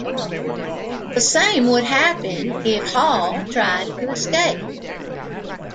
The same would happen if Hall tried to escape.